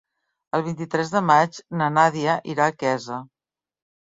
El vint-i-tres de maig na Nàdia irà a Quesa.